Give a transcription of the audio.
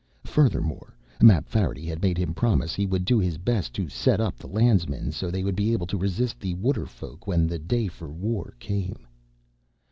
Furthermore, Mapfarity had made him promise he would do his best to set up the Landsmen so they would be able to resist the Waterfolk when the day for war came.